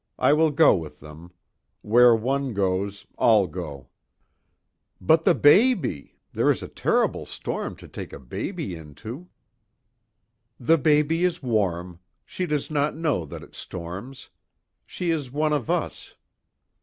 I will go with them. Where one goes, all go." "But the baby! This is a terrible storm to take a baby into." "The baby is warm. She does not know that it storms. She is one of us.